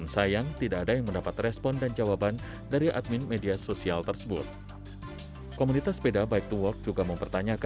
ya jadikan sepeda sebagai alat transportasi yang sebenarnya